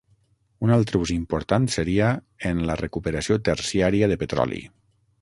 Un altre ús important seria en la recuperació terciària de petroli.